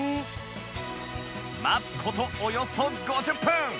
待つ事およそ５０分